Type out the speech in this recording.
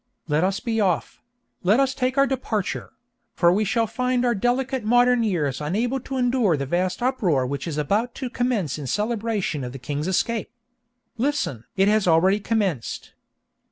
Let us be off—let us take our departure!—for we shall find our delicate modern ears unable to endure the vast uproar which is about to commence in celebration of the king's escape! Listen! it has already commenced.